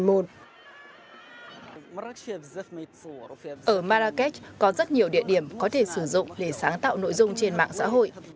ở marrakesh có rất nhiều địa điểm có thể sử dụng để sáng tạo nội dung trên mạng xã hội